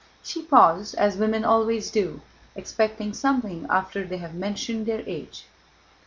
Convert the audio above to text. She paused, as women always do, expecting something after they have mentioned their age.